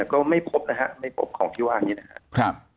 ก็ไม่พบนะฮะไม่พบของที่ว่านี้นะครับ